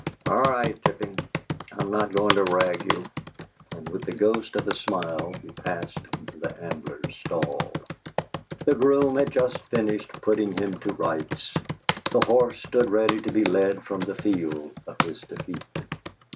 "All right, Tipping; I'm not going to rag you." And with the ghost of a smile he passed into the Ambler's stall. The groom had just finished putting him to rights; the horse stood ready to be led from the field of his defeat.